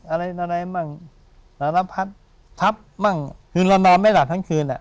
อะไรอะไรมั่งสารพัดทับมั่งคือเรานอนไม่หลับทั้งคืนอ่ะ